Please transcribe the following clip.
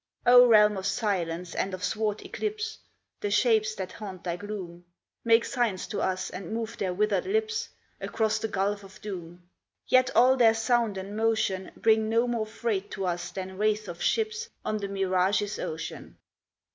O realm of silence and of swart eclipse, The shapes that haunt thy gloom Make signs to us and move their withered lips Across the gulf of doom; Yet all their sound and motion Bring no more freight to us than wraiths of ships On the mirage's ocean.